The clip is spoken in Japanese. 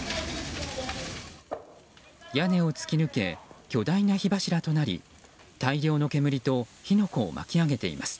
屋根を突き抜け巨大な火柱となり大量の煙と火の粉を巻き上げています。